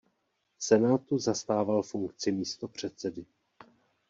V Senátu zastával funkci místopředsedy.